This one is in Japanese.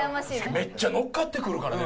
めっちゃ乗っかってくるからね。